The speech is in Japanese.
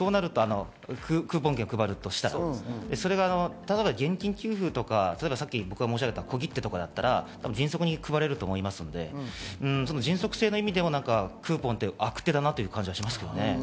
クーポン券を配るとしたら現金給付とか僕が申し上げた小切手とかだったら迅速に配れると思いますので、迅速性の意味でもクーポンって悪手だなと思います。